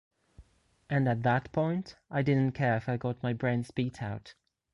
And at that point I didn't care if I got my brains beat out.